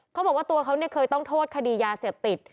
เขาบอกว่าตัวเขาเคยต้องโทษคดียาเสพติด